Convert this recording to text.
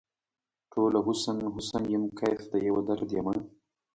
ټوله حسن ، حسن یم کیف د یوه درد یمه